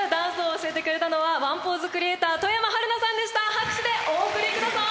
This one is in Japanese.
拍手でお送りください！